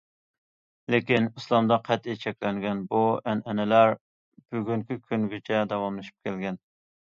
لېكىن ئىسلامدا قەتئىي چەكلەنگەن بۇ ئەنئەنىلەر بۈگۈنكى كۈنىگىچە داۋاملىشىپ كەلگەن.